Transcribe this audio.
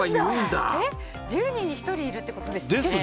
１０人に１人いるってことですね。